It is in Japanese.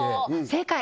正解！